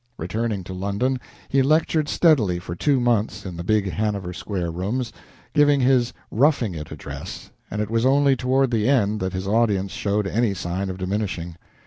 Returning to London, he lectured steadily for two months in the big Hanover Square rooms, giving his "Roughing It" address, and it was only toward the end that his audience showed any sign of diminishing.